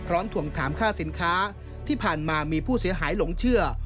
ถวงถามค่าสินค้าที่ผ่านมามีผู้เสียหายหลงเชื่อ